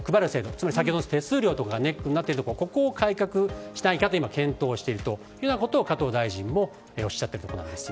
つまり、手数料とかがネックになっていたところここを改革できないか検討しているということを加藤大臣もおっしゃっているんです。